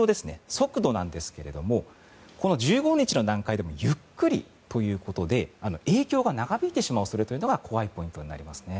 速度なんですけれども１５日の段階でもゆっくりということで影響が長引いてしまう恐れが怖いポイントになりますね。